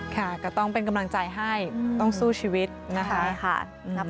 ค่ะก็ต้องเป็นกำลังใจให้ต้องสู้ชีวิตนะคะใช่ค่ะ